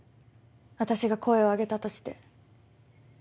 私が声を上げたとして。